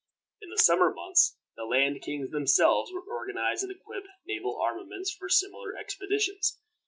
In the summer months the land kings themselves would organize and equip naval armaments for similar expeditions.